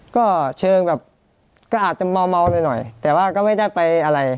ก็เชิงแบบก็อาจจะเมาหน่อยแต่ว่าก็ไม่ได้ไปอะไร